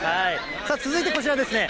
続いてこちらですね。